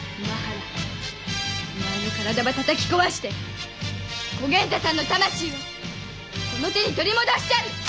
羅お前の体ばたたき壊して小源太さんの魂をこの手に取り戻しちゃる！